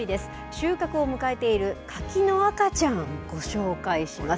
収穫を迎えている柿の赤ちゃん、ご紹介します。